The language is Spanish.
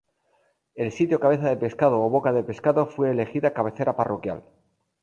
El sitio Cabeza de Pescado o Boca de Pescado fue elegida cabecera parroquial.